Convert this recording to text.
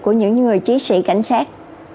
của những người chiến sĩ cảnh sát